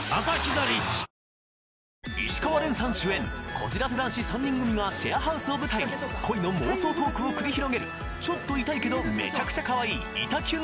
こじらせ男子３人組がシェアハウスを舞台に恋の妄想トークを繰り広げるちょっとイタいけどめちゃくちゃカワイイ「イタきゅん」